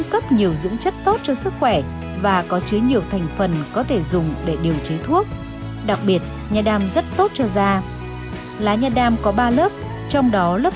không thể dùng để điều trí thuốc đặc biệt nha đam rất tốt cho da lá nha đam có ba lớp trong đó lớp